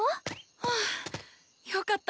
ああよかった。